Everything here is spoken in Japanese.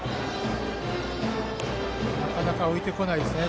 なかなか浮いてこないですね。